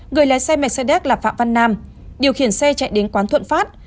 người lái xe mercedes là phạm văn nam điều khiển xe chạy đến quán thuận phát